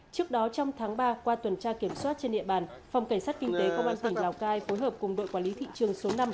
trước đó trong tháng ba qua tuần tra kiểm soát trên địa bàn phòng cảnh sát kinh tế công an tỉnh lào cai phối hợp cùng đội quản lý thị trường số năm